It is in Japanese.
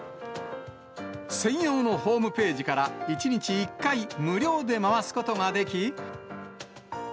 専用のホームページから１日１回無料で回すことができ。